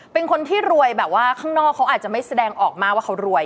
เป็นคนที่รวยแบบว่าข้างนอกเขาอาจจะไม่แสดงออกมาว่าเขารวย